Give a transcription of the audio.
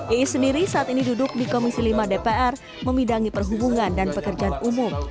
iis sendiri saat ini duduk di komisi lima dpr memidangi perhubungan dan pekerjaan umum